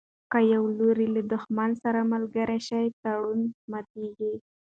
که یو لوری له دښمن سره ملګری شي تړون ماتیږي.